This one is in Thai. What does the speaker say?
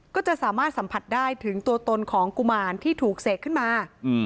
ก็จะสามารถสัมผัสได้ถึงตัวตนของกุมารที่ถูกเสกขึ้นมา